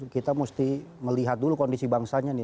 kita mesti melihat dulu kondisi bangsanya nih